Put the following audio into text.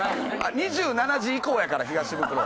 ２７時以降やから東ブクロは。